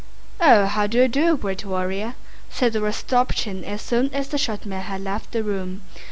"Ah, how do you do, great warrior?" said Rostopchín as soon as the short man had left the room.